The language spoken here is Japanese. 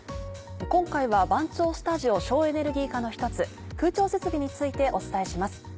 今回は番町スタジオ省エネルギー化の１つ空調設備についてお伝えします。